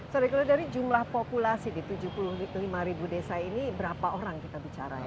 sorry kalau dari jumlah populasi di tujuh puluh lima ribu desa ini berapa orang kita bicara ya